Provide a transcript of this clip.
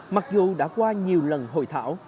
mặc dù đã qua nhiều lần hội thảo